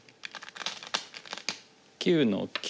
９の九。